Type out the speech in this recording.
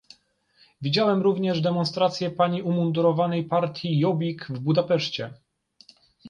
Widziałem również demonstracje pani umundurowanej partii Jobbik w Budapeszcie